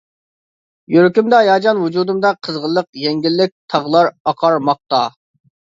يۈرىكىمدە ھاياجان، ۋۇجۇدۇمدا قىزغىنلىق، يەڭگىللىك، تاغلار ئاقارماقتا.